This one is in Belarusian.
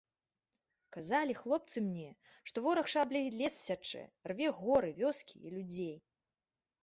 Казалі хлопцы мне, што вораг шабляй лес сячэ, рве горы, вёскі і людзей.